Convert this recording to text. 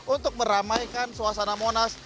untuk meramaikan suasana monas